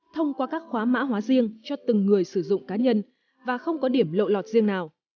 thông qua các khóa mã hóa riêng cho từng người sử dụng cá nhân và không có điểm lộ lọt riêng nào